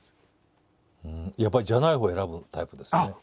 やっぱり「じゃない方」を選ぶタイプですよね。